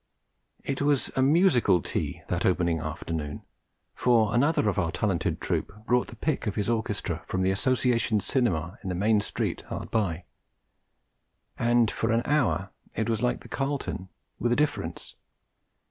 It was a musical tea that opening afternoon, for another of our talented troupe brought the pick of his orchestra from the Association Cinema in the main street hard by; and for an hour it was like the Carlton, with a difference.